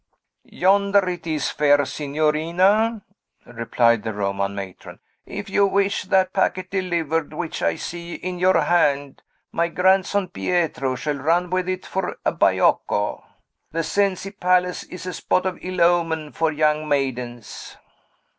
"Yonder it is, fair signorina," replied the Roman matron. "If you wish that packet delivered, which I see in your hand, my grandson Pietro shall run with it for a baiocco. The Cenci palace is a spot of ill omen for young maidens."